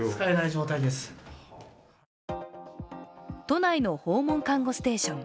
都内の訪問看護ステーション。